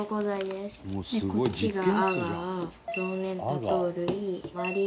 でこっちが。